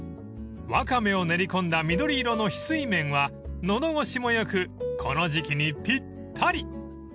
［ワカメを練り込んだ緑色の翡翠麺は喉越しも良くこの時期にぴったり］